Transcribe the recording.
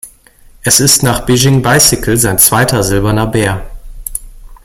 Es ist nach "Beijing Bicycle" sein zweiter Silberner Bär.